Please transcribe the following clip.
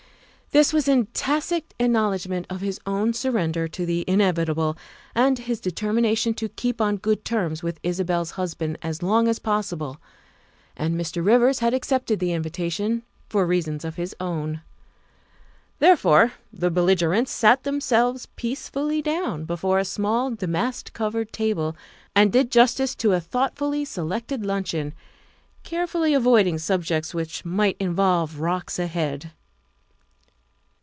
This was in tacit acknowledgment of his own surrender to the inevitable and his determination to keep on good terms with Isabel's husband as long as possible, and Mr. Rivers had accepted the invitation for reasons of his own. Therefore the belligerents sat them selves peacefully down before a small, damask covered table and did justice to a thoughtfully selected luncheon, carefully avoiding subjects which might involve rocks ahead.